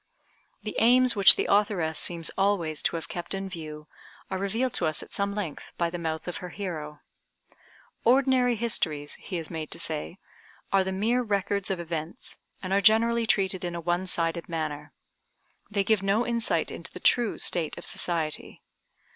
The aims which the authoress seems always to have kept in view are revealed to us at some length by the mouth of her hero: "ordinary histories," he is made to say, "are the mere records of events, and are generally treated in a one sided manner. They give no insight into the true state of society.